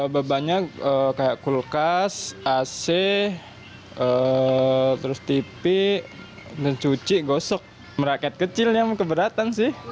mustipi cuci gosok meraket kecil yang keberatan sih